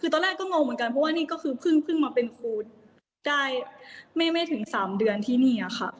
คือตอนแรกก็งงเหมือนกันเพราะว่านี่ก็คือเพิ่งมาเป็นครูได้ไม่ถึง๓เดือนที่นี่ค่ะ